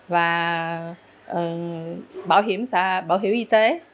và bảo hiểm y tế